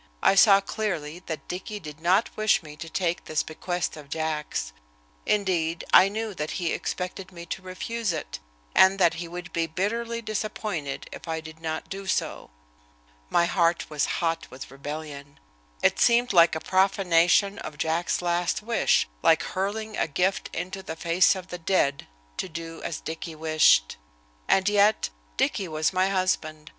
I saw clearly that Dicky did not wish me to take this bequest of Jack's. Indeed, I knew that he expected me to refuse it, and that he would be bitterly disappointed if I did not do so. My heart was hot with rebellion. It seemed like a profanation of Jack's last wish, like hurling a gift into the face of the dead, to do as Dicky wished. And yet Dicky was my husband.